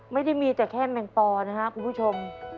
ไม่ได้มีแต่แค่แมงปอนะครับคุณผู้ชม